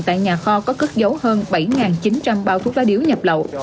tại nhà kho có cất dấu hơn bảy chín trăm linh bao thuốc lá điếu nhập lậu